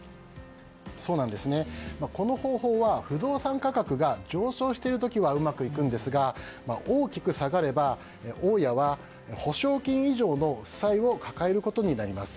この方法は、不動産価格が上昇している時はうまくいくんですが大きく下がれば大家は保証金以上の負債を抱えることになります。